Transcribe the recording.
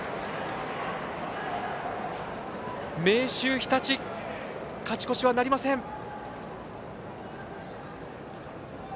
明秀日立、勝ち越しはなりません。